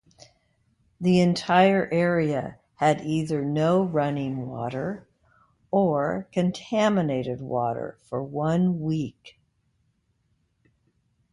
The entire area had either no running water, or contaminated water for one week.